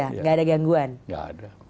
tidak ada gangguan tidak ada